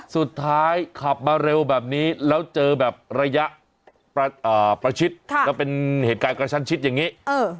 ขับมาเร็วแบบนี้แล้วเจอแบบระยะประชิดแล้วเป็นเหตุการณ์กระชั้นชิดอย่างนี้